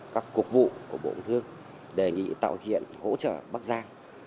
các cục vụ của bộ công thương đề nghị tạo thiện hỗ trợ bắc giang